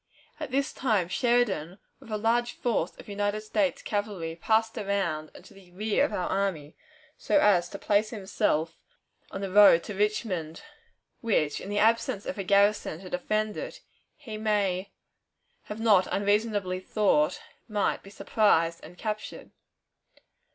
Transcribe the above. At this time Sheridan, with a large force of United States cavalry, passed around and to the rear of our army, so as to place himself on the road to Richmond, which, in the absence of a garrison to defend it, he may have not unreasonably thought might be surprised and captured.